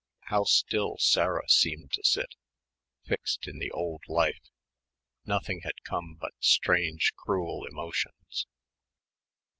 How still Sarah seemed to sit, fixed in the old life. Nothing had come but strange cruel emotions.